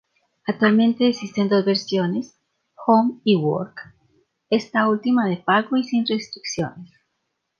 Actualmente existen dos versiones: "Home" y "Work" Esta última de pago y sin restricciones.